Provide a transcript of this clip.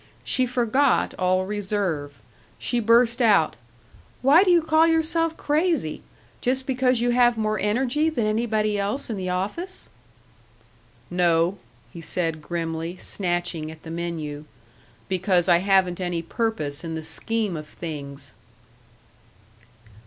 She forgot all reserve. She burst out: "Why do you call yourself 'crazy'? Just because you have more energy than anybody else in the office?" "No," he said, grimly, snatching at the menu, "because I haven't any purpose in the scheme of things."